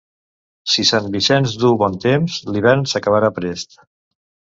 Si Sant Vicenç duu bon temps, l'hivern s'acabarà prest.